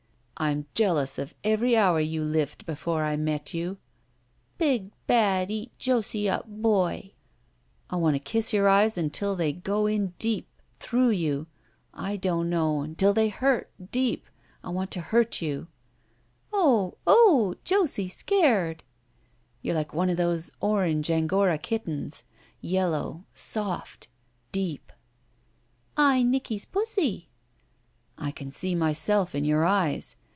"I'm jealous of every hour you lived before I met you." '* Big bad eat Josie up boy !" *'I want to kiss your eyes until they go in deep — through you^— I don't know — ^until they hurt — deep — I — ^want — ^to hurt you —" '*0h! Oh! Josie scared!" "You're like one of those orange Angora kittens. Yellow. Soft. Deep." "I Nicky's pussy." "I can see mysdf in your eyes.